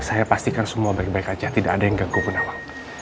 saya pastikan semua baik baik aja tidak ada yang ganggu bu nawang